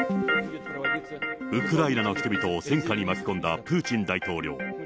ウクライナの人々を戦禍に巻き込んだプーチン大統領。